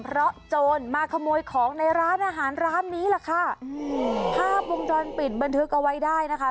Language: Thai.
เพราะโจรมาขโมยของในร้านอาหารร้านนี้แหละค่ะอืมภาพวงจรปิดบันทึกเอาไว้ได้นะคะ